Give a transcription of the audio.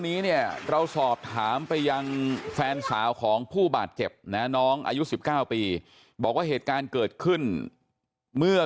นี้เนี่ยเราสอบถามไปยังแฟนสาวของผู้บาดเจ็บนะน้องอายุ๑๙ปีบอกว่าเหตุการณ์เกิดขึ้นเมื่อ